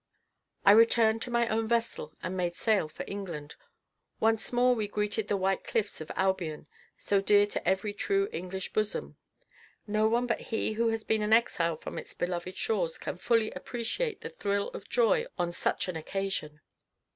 I returned to my own vessel, and made sail for England: once more we greeted the white cliffs of Albion, so dear to every true English bosom. No one but he who has been an exile from its beloved shores can fully appreciate the thrill of joy on such an occasion.